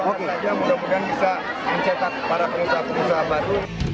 doakan saja mudah mudahan bisa mencetak para penutup penutup sahabat